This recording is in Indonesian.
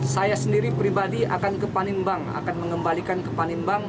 saya sendiri pribadi akan ke panin bank akan mengembalikan ke panin bank